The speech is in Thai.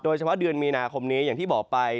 โดยเฉพาะเดือนมีนาคมนี้อย่างที่บอกไป